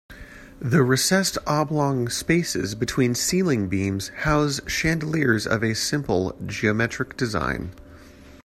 The recessed oblong spaces between ceiling beams house chandeliers of a simple geometric design.